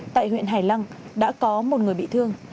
tại huyện hải lăng đã có một người bị thương